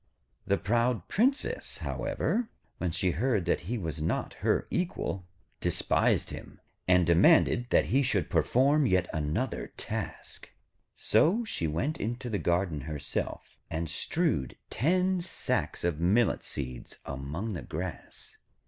The proud Princess, however, when she heard that he was not her equal, despised him, and demanded that he should perform yet another task. So she went into the garden herself, and strewed ten sacks of millet seeds among the grass.